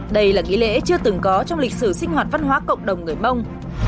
đây là nghi lễ chưa từng có trong lịch sử sinh hoạt văn hóa cộng đồng người mông